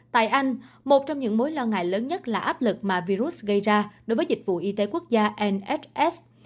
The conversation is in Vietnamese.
tại anh một trong những mối lo ngại lớn nhất là áp lực mà virus gây ra đối với dịch vụ y tế quốc gia